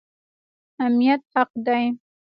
امنیت حق دی